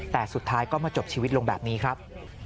แต่สุดท้ายก็มาจบชีวิตลงแบบนี้ครับ